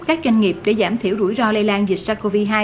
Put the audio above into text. các doanh nghiệp để giảm thiểu rủi ro lây lan dịch sars cov hai